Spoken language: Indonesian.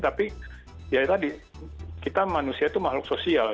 tapi ya tadi kita manusia itu makhluk sosial